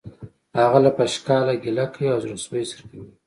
هغه له پشکاله ګیله کوي او زړه سوی څرګندوي